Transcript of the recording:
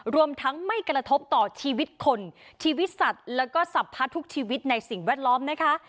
รวมทั้งไม่กระทบต่อชีวิตคนชีวิตสัตว์แล้วก็สับพัดทุกชีวิตในสิ่งแวดล้อมนะคะ